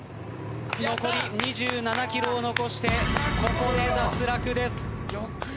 残り２７ｋｍを残してここで脱落です。